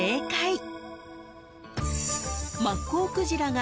［マッコウクジラが］